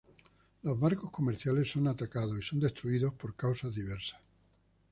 Los barcos comerciales son atacados y son destruidos por causas diversas.